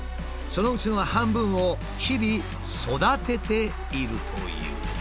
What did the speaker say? そのうちの半分を日々育てているという。